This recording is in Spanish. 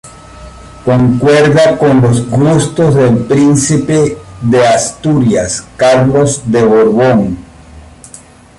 Concuerda con los gustos del príncipe de Asturias, Carlos de Borbón.